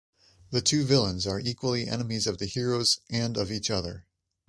The two villains are equally enemies of the heroes and of each other.